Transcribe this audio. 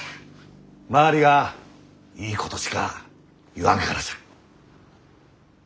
周りがいいことしか言わんからじゃ。